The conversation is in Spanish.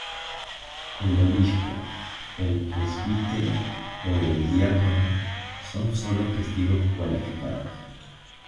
El obispo, el presbítero o el diácono son sólo testigos cualificados.